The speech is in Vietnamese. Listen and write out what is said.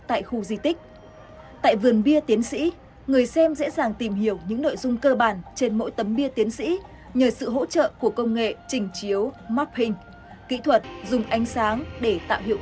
tại khu di tích tại vườn bia tiến sĩ người xem dễ dàng tìm hiểu những nội dung cơ bản trên mỗi tấm bia tiến sĩ nhờ sự hỗ trợ của công nghệ trình chiếu mapping kỹ thuật dùng ánh sáng để tạo hiệu ứng ba d